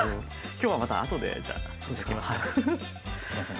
今日はまたあとでじゃあできますから。